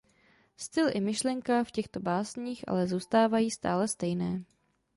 Styl i myšlenka v těchto básních ale zůstávají stále stejné.